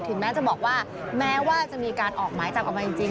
แม้จะบอกว่าแม้ว่าจะมีการออกหมายจับออกมาจริง